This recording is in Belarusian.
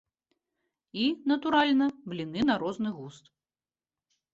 І, натуральна, бліны на розны густ.